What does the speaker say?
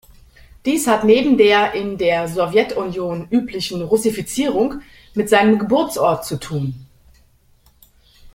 Dies hat neben der in der Sowjetunion üblichen Russifizierung mit seinem Geburtsort zu tun.